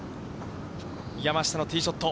山下のティーショット。